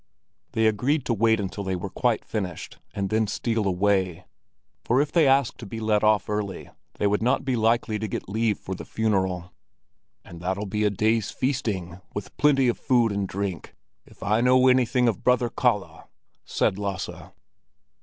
They agreed to wait until they were quite finished, and then steal away; for if they asked to be let off early, they would not be likely to get leave for the funeral. "And that'll be a day's feasting, with plenty of food and drink, if I know anything of Brother Kalle!" said Lasse.